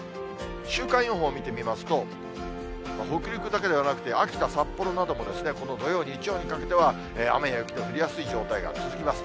週間予報見てみますと、北陸だけではなくて、秋田、札幌などもこの土曜、日曜にかけては雨や雪の降りやすい状態が続きます。